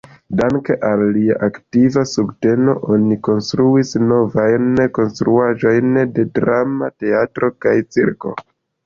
Danke al lia aktiva subteno oni konstruis novajn konstruaĵojn de drama teatro kaj cirko.